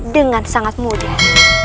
dengan sangat mudah